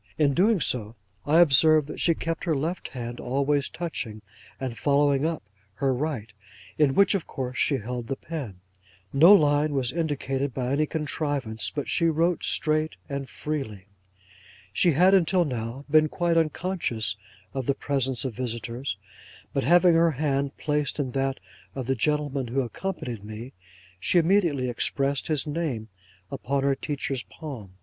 In doing so, I observed that she kept her left hand always touching, and following up, her right, in which, of course, she held the pen. No line was indicated by any contrivance, but she wrote straight and freely. She had, until now, been quite unconscious of the presence of visitors; but, having her hand placed in that of the gentleman who accompanied me, she immediately expressed his name upon her teacher's palm.